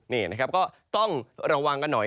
นี่นะครับก็ต้องระวังกันหน่อย